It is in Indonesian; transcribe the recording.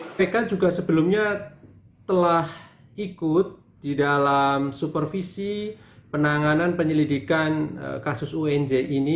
kpk juga sebelumnya telah ikut di dalam supervisi penanganan penyelidikan kasus unj ini